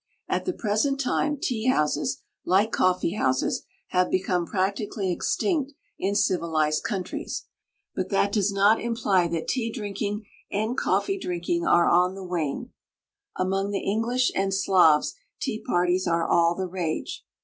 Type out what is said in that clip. At the present time tea houses, like coffee houses, have become practically extinct in civilized countries, but that does not imply that tea drinking and coffee drinking are on the wane. Among the English and Slavs tea parties are all the rage.